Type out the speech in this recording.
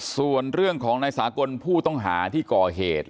ส่วนเรื่องของนายสากลผู้ต้องหาที่ก่อเหตุ